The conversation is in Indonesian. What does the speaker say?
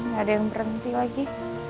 gak ada yang berhenti lagi